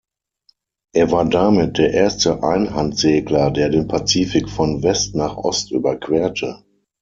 Er war damit der erste Einhandsegler der den Pazifik von West nach Ost überquerte.